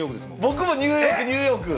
僕もニューヨークニューヨーク！